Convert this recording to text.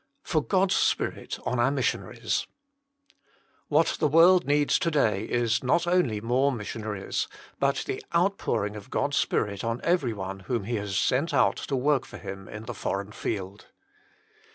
3For (ioa s Spirit on our ;ttissionama " What the world needs to day is, not only more missionaries, but the outpouring of God s Spirit on everyone whom He has sent out to work for Him in the foreign field."